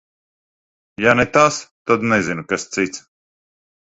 Ja ne tas, tad nezinu, kas cits.